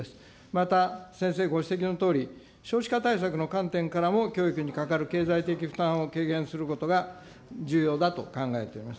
また、先生ご指摘のとおり、少子化対策の観点からも教育に関わる経済的負担を軽減することが重要だと考えています。